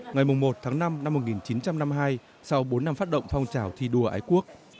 ngày một tháng năm năm một nghìn chín trăm năm mươi hai sau bốn năm phát động phong trào thi đua ái quốc